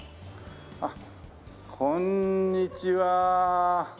あっこんにちは。